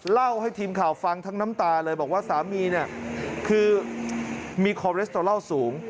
เล่าให้ทีมข่าวฟังทั้งน้ำตาเลยบอกว่าสามีเนี่ยคือมีคอเรสโตรัลสูง